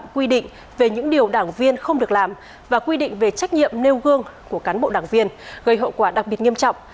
quy định về trách nhiệm nêu gương của cán bộ đảng viên gây hậu quả đặc biệt nghiêm trọng